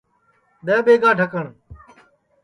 دؔے ٻیگا ڈھکٹؔ